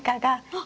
あっ。